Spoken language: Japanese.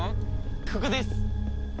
ここです！